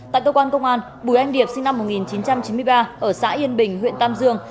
tại cơ quan công an bùi anh điệp sinh năm một nghìn chín trăm chín mươi ba ở xã yên bình huyện tam dương